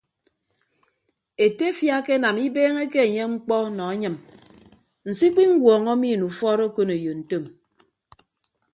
Etefia akenam ibeeñeke enye mkpọ nọ anyịm nso ikpiñwuọñọ mien ufọọd okoneyo ntom.